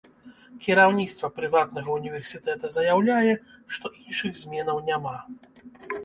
Кіраўніцтва прыватнага ўніверсітэта заяўляе, што іншых зменаў няма.